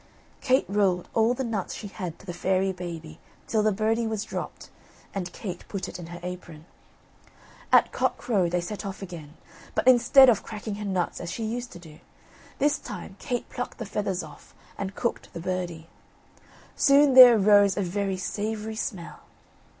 Kate rolled all the nuts she had to the fairy baby till the birdie was dropped, and Kate put it in her apron. At cockcrow they set off again, but instead of cracking her nuts as she used to do, this time Kate plucked the feathers off and cooked the birdie. Soon there arose a very savoury smell.